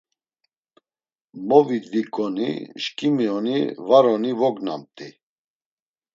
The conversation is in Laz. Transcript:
Movidviǩoni şǩimi oni, var oni vognamt̆i.